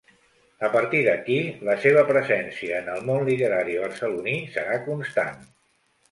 A partir d'aquí, la seva presència en el món literari barceloní serà constant.